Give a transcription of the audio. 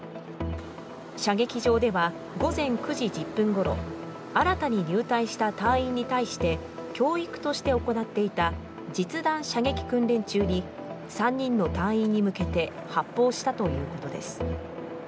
射撃場では午前９時１０分ごろ新たに入隊した隊員に対して教育として行っていた実弾射撃訓練中に、３人の隊員に向けて発砲したということです。